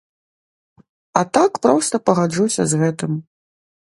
А так проста пагаджуся з гэтым.